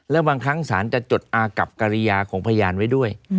แล้วบางครั้งสารจะจดอากับกริยาของพยานไว้ด้วย